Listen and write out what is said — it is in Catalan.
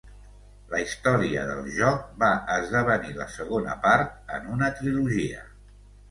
La Història del joc, va esdevenir la segona part en una trilogia.